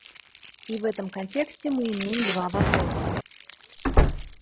И в этом контексте мы имеем два вопроса.